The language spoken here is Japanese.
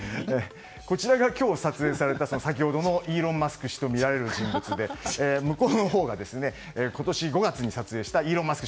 こちらが今日、撮影された先ほどのイーロン・マスク氏とみられる人物で、向こうのほうが今年５月に撮影したイーロン・マスク